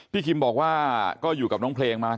คิมบอกว่าก็อยู่กับน้องเพลงมา